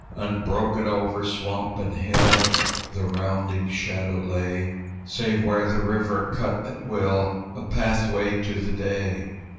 Unbroken over swamp and hill The rounding shadow lay, Save where the river cut at will A pathway to the day.